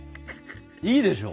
いいでしょ？